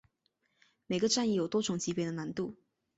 每个战役有多种级别的难度。